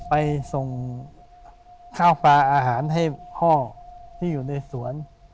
ไปส่งข้าวปลาอาหารให้พ่อที่อยู่ในสวน